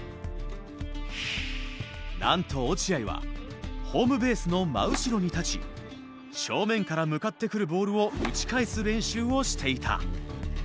なんと落合はホームベースの真後ろに立ち正面から向かってくるボールを打ち返す練習をしていた。